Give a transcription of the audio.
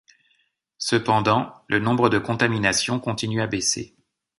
Cependant, le nombre de contaminations continue à baisser.